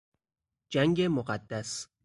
جنگ مقدس